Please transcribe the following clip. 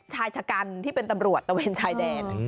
ชายชะกันที่เป็นตำรวจตะเวนชายแดน